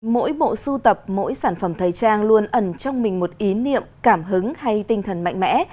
mỗi bộ sưu tập mỗi sản phẩm thầy trang luôn ẩn trong mình một ý niệm cảm hứng hay tinh thần mạnh mẽ